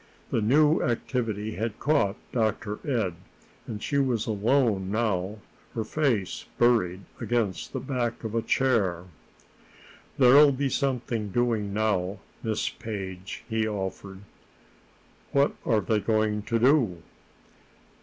The new activity had caught Dr. Ed, and she was alone now, her face buried against the back of a chair. "There'll be something doing now, Miss Page," he offered. "What are they going to do?"